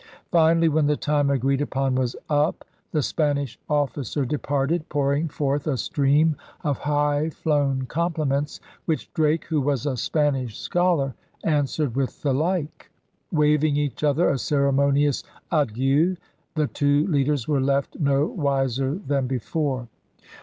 Finally, when the time agreed upon was up, the Spanish officer departed, pouring forth a stream of high flown compliments, which Drake, who was a Spanish scholar, answered with the like. Waving each other a ceremonious adieu the two leaders were left no wiser than before.